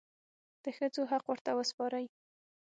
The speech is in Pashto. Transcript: د ښځو حق ورته وسپارئ.